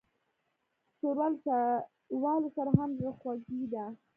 ښوروا له چايوالو سره هم زړهخوږې ده.